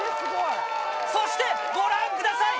そしてご覧ください！